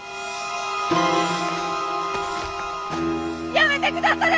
やめてくだされ！